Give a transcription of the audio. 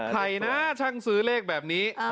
ใครนะช่างซื้อเลขแบบนี้